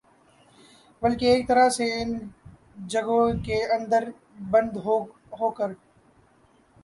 بلکہ ایک طرح سے ان جگہوں کے اندر بند ہوکر